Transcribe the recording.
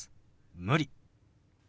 「無理」。